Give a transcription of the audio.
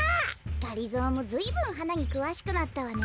がりぞーもずいぶんはなにくわしくなったわね。